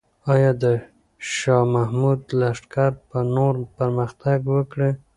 آیا د شاه محمود لښکر به نور پرمختګ وکړي؟